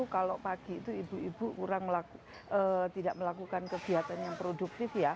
kalau pagi itu ibu ibu kurang tidak melakukan kegiatan yang produktif ya